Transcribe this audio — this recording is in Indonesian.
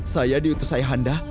saya diutus ayahanda